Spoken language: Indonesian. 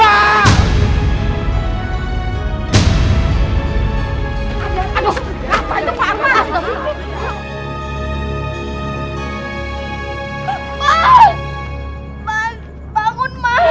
aduh apa itu pak arman